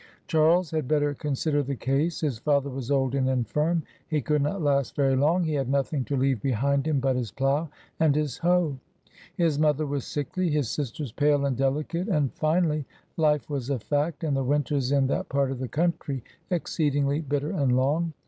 Charles had better consider the case; his father was old and infirm; he could not last very long; he had nothing to leave behind him but his plow and his hoe; his mother was sickly; his sisters pale and delicate; and finally, life was a fact, and the winters in that part of the country exceedingly bitter and long.